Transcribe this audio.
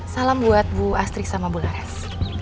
salam buat bu astri sama bu leres